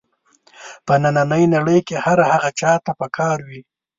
په نننۍ نړۍ کې هر هغه چا ته په کار وي.